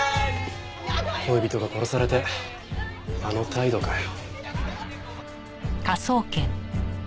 恋人が殺されてあの態度かよ。